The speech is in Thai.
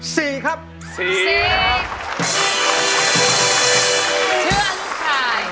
เชื่อลูกชาย